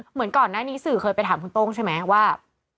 เหมือนก่อนหน้านี้สื่อเคยไปถามคุณโต้งใช่ไหมว่า